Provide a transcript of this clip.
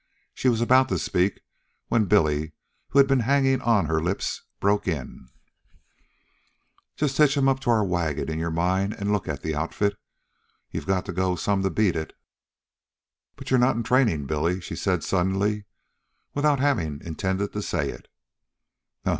She was about to speak, when Billy, who had been hanging on her lips, broke in: "Just hitch 'em up to our wagon in your mind an' look at the outfit. You got to go some to beat it." "But you're not in training, Billy," she said suddenly and without having intended to say it.